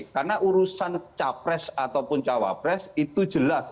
karena urusan capres ataupun cawabres itu jelas